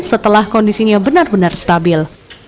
setelah kondisinya benar benar stabil